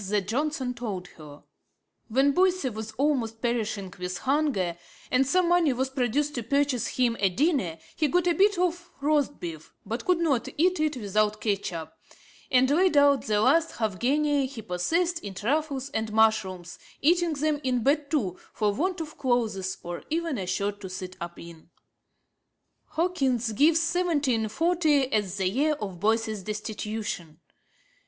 120) that Johnson told her, 'When Boyse was almost perishing with hunger, and some money was produced to purchase him a dinner, he got a bit of roast beef, but could not eat it without ketch up; and laid out the last half guinea he possessed in truffles and mushrooms, eating them in bed too, for want of clothes, or even a shirt to sit up in.' Hawkins (Life, p. 159) gives 1740 as the year of Boyse's destitution.